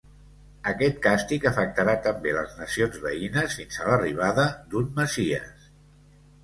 Aquest càstig afectarà també les nacions veïnes fins a l'arribada d'un Messies.